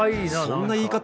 そんな言い方？